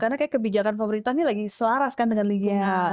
karena kebijakan pemerintah ini lagi selaras kan dengan lingkungan